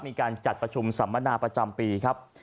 มีการจัดประชุมสัมมนาประจำปีครับ